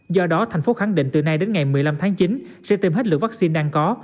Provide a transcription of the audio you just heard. do đó thành phố khẳng định từ nay đến ngày một mươi năm tháng chín sẽ tìm hết lượng vaccine đang có